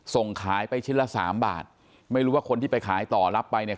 ส่งขายไปชิ้นละสามบาทไม่รู้ว่าคนที่ไปขายต่อรับไปเนี่ย